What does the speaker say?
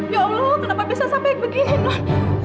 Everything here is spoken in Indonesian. ya allah kenapa bisa sampai begini